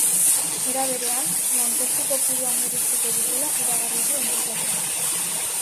Era berean, lanpostu kopurua murriztuko dutela iragarri du entitateak.